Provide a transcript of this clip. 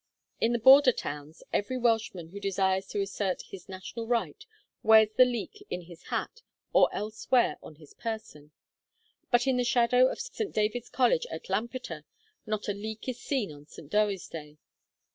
In the border towns, every Welshman who desires to assert his national right wears the leek in his hat or elsewhere on his person; but in the shadow of St. David's College at Lampeter, not a leek is seen on St. Dewi's Day.